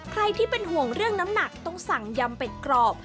ใครที่เป็นห่วงเรื่องน้ำหนักต้องสั่งยำเป็ดกรอบ